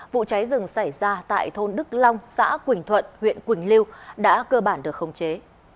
vụ cháy rừng xảy ra tại thôn đức long xã quỳnh thuận huyện quỳnh lưu đã cơ bản được khống chế